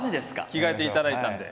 着替えていただいたんで。